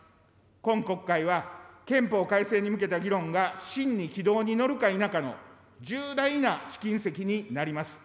今国会は、憲法改正に向けた議論が真に軌道に乗るか否かの重大な試金石になります。